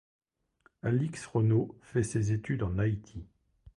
Alix Renaud fait ses études en Haïti.